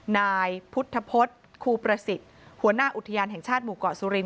นายพุทธพฤษครูประสิทธิ์หัวหน้าอุทยานแห่งชาติหมู่เกาะสุรินท